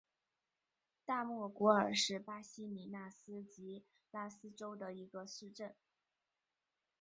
大莫古尔是巴西米纳斯吉拉斯州的一个市镇。